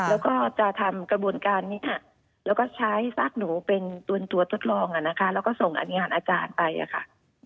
แล้วก็จะทำกระบวนการนี้ค่ะแล้วก็ใช้ซากหนูเป็นตัวทดลองแล้วก็ส่งอันนี้อาจารย์ไปค่ะ